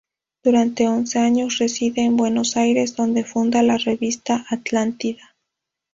Durante once años reside en Buenos Aires donde funda la revista "Atlántida".